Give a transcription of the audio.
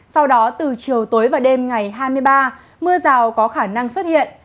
sau đó từ chiều tối và đêm ngày hai mươi ba mưa rào có khả năng xuất hiện